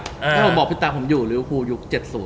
ถ้าผมบอกพี่ตาผมอยู่ริวภูมิยุคเจ็ดศูนย์